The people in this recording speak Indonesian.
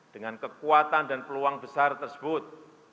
dengan kekuatan dan peluang besar tersebut